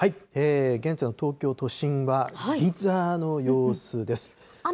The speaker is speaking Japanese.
現在の東京都心は、銀座の様子です。